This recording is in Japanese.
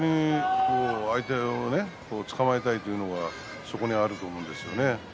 相手をつかまえたいというのはそこにあると思うんですね。